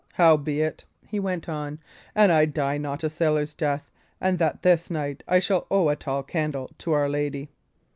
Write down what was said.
"Howbeit," he went on, "an I die not a sailor's death, and that this night, I shall owe a tall candle to our Lady."